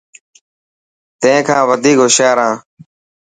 تين کان وڌيڪ هوشيار هان.